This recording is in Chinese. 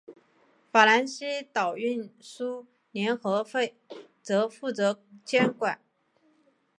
法兰西岛运输联合会则负责监管。